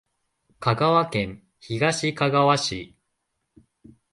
香川県東かがわ市